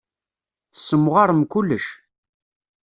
Tessemɣarem kullec.